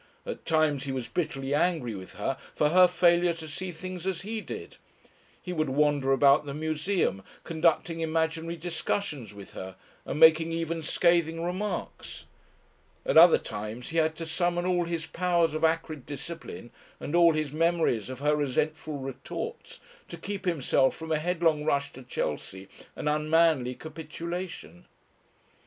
At times he was bitterly angry with her for her failure to see things as he did. He would wander about the museum conducting imaginary discussions with her and making even scathing remarks. At other times he had to summon all his powers of acrid discipline and all his memories of her resentful retorts, to keep himself from a headlong rush to Chelsea and unmanly capitulation.